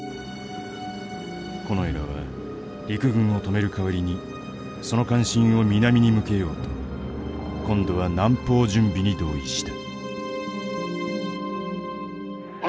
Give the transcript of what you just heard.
近衛らは陸軍を止める代わりにその関心を南に向けようと今度は南方準備に同意した。